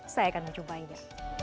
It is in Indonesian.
saya akan mencumpainya